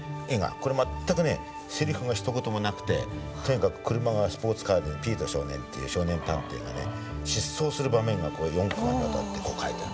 これ全くねせりふがひと言もなくてとにかく車がスポーツカーでピート少年っていう少年探偵がね疾走する場面が４コマにわたって描いてある。